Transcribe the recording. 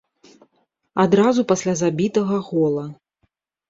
Адразу пасля забітага гола.